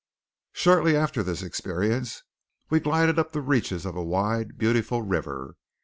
Shortly after this experience we glided up the reaches of a wide beautiful river.